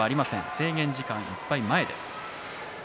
制限時間いっぱい前です。